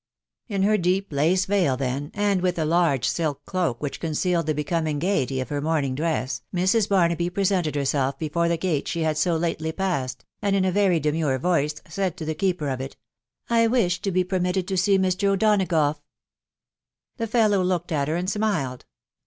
In her deep lace veil then, and with a large silk cloak which concealed the becoming gaiety of her morning dress, Mrs. Barnaby presented herself before the gates she had so lately passed, and in a very demure voice said to the keeper of it, " I wish to be permitted to see Mr. O'Donagough." The fellow looked at her and smiled.